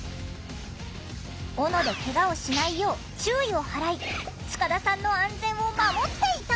オノでケガをしないよう注意を払い塚田さんの安全を守っていた！